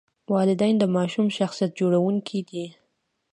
والدین د ماشوم شخصیت جوړونکي دي.